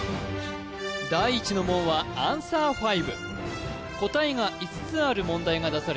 第一の門はアンサー５答えが５つある問題が出され